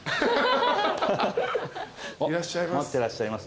いらっしゃいます。